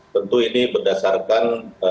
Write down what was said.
tentu ini berdasarkan